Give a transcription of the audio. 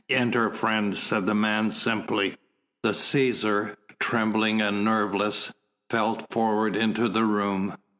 "Enter friend," said the man simply. The Cæsar, trembling and nerveless, fell forward into the room.